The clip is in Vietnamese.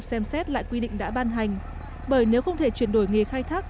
xem xét lại quy định đã ban hành bởi nếu không thể chuyển đổi nghề khai thác